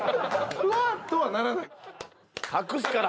ふぁっとはならない。